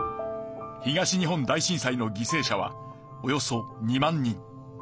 東日本大震災のぎせい者はおよそ２万人。